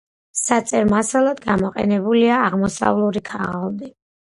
საწერ მასალად გამოყენებულია აღმოსავლური ქაღალდი.